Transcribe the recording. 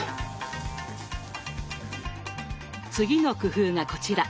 次の工夫がこちら。